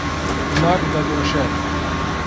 مەڕ دەدۆشێت.